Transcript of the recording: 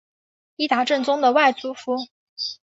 伊达政宗的外祖父。